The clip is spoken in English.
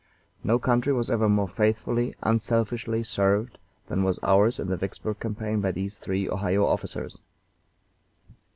No country was ever more faithfully, unselfishly served than was ours in the Vicksburg campaign by these three Ohio officers.